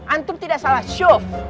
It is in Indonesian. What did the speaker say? antum tidak salah syuf